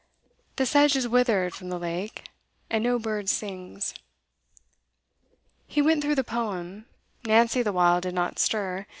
The sedge has wither'd from the lake, And no birds sing_.' He went through the poem; Nancy the while did not stir.